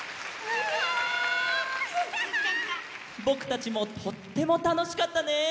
ぼくたちもとってもたのしかったね！